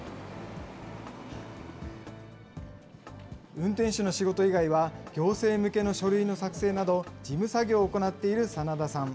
運転手の仕事以外は、行政向けの書類の作成など、事務作業を行っている真田さん。